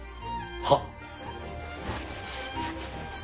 はっ。